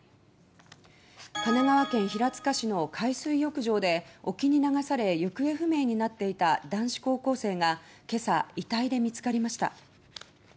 神奈川県平塚市の海水浴場で沖に流され行方不明になっていた男子高校生が今朝遺体で見つかりました。